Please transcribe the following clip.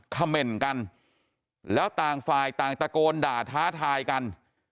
เขม่นกันแล้วต่างฝ่ายต่างตะโกนด่าท้าทายกัน